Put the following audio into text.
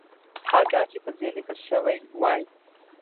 حال دا چې په "ز" لیکل شوی وای.